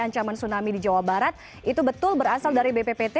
ancaman tsunami di jawa barat itu betul berasal dari bppt